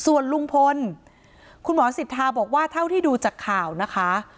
ส่วนลุงพลคุณหมอสิทธาบอกว่าเท่าที่ดูจากข่าวนะคะ